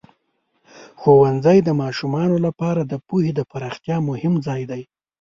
ښوونځی د ماشومانو لپاره د پوهې د پراختیا مهم ځای دی.